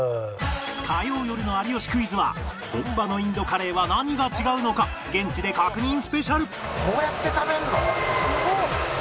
火曜よるの『有吉クイズ』は本場のインドカレーは何が違うのか現地で確認スペシャル！